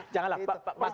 janganlah pak s b nggak ada